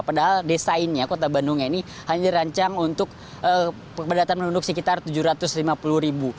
padahal desainnya kota bandung ini hanya dirancang untuk kepadatan penduduk sekitar tujuh ratus lima puluh ribu